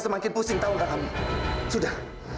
mama semua sama